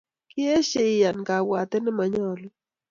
Kieshe iyan kabwatet nemanyalu